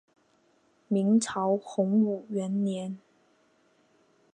明朝洪武元年。